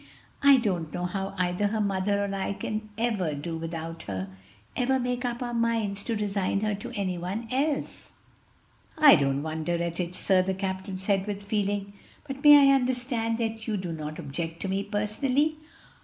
I don't know how either her mother or I can ever do without her! ever make up our minds to resign her to any one else!" "I don't wonder at it, sir," the captain said with feeling. "But may I understand that you do not object to me personally?"